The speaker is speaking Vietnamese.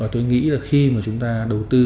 tôi nghĩ khi chúng ta đầu tư